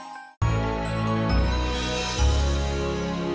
sampai ketemu di surga